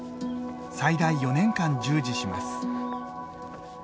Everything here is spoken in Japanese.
最大４年間従事します。